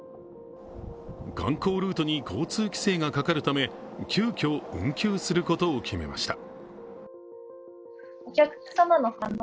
観光ルートに交通規制がかかるため、急きょ運休することを決めました。